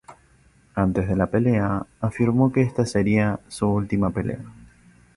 Antes de la pelea, afirmó que esta sería su última pelea.